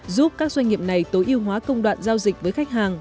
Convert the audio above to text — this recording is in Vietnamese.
giúp các doanh nghiệp này tối ưu hóa công đoạn giao dịch với khách hàng